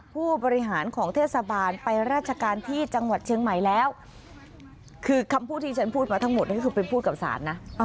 ผู้บริหารของเทศบาลไปราชการที่จังหวัดเชียงใหม่แล้วคือคำพูดที่ฉันพูดมาทั้งหมดนี่คือไปพูดกับศาลนะ